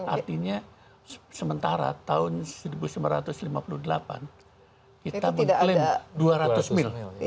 artinya sementara tahun seribu sembilan ratus lima puluh delapan kita mengklaim dua ratus mil